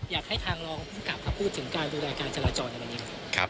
อยากให้ทางรองภูมิกับพูดถึงการดูแลการจราจรอะไรอย่างนี้ครับ